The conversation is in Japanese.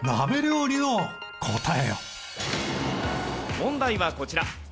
問題はこちら。